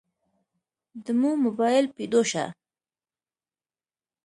دمو مباييل پيدو شه.